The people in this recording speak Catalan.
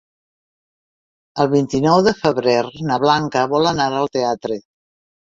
El vint-i-nou de febrer na Blanca vol anar al teatre.